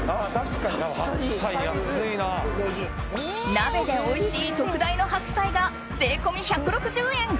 鍋でおいしい特大の白菜が税込み１６０円。